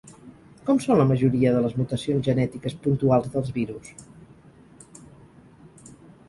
Com són la majoria de les mutacions genètiques puntuals dels virus?